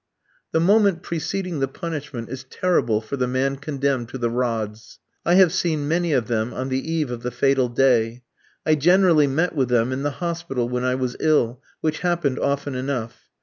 The moment preceding the punishment is terrible for the man condemned to the rods. I have seen many of them on the eve of the fatal day. I generally met with them in the hospital when I was ill, which happened often enough.